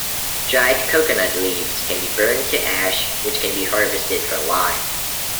Dried coconut leaves can be burned to ash, which can be harvested for lime.